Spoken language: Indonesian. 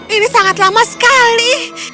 ini sangat lama sekali